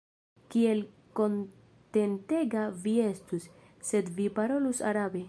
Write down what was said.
Kiel kontentega vi estus, se vi parolus arabe.